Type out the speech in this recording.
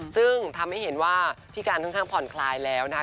ซึ่งทำให้เห็นว่าพี่การค่อนข้างผ่อนคลายแล้วนะคะ